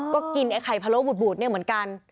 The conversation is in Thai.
ก็กินไอ้ไข่พะโลบูดเนี่ยเหมือนกัน